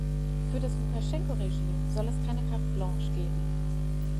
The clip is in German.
Für das Lukaschenko-Regime sollte es keine Carte blanche geben.